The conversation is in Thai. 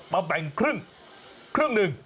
แบ่งครึ่งครึ่งหนึ่ง